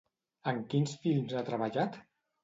En quins films ha treballat?